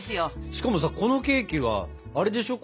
しかもさこのケーキはあれでしょ。